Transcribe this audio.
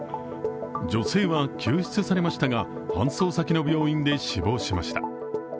女性は救出されましたが搬送先の病院で死亡しました。